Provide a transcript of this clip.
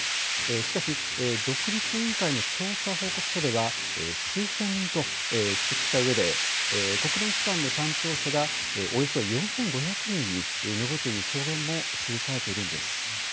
しかし、独立委員会の調査報告書では、数千人と指摘したうえで、国連機関の担当者がおよそ４５００人に上るという証言も記されているんです。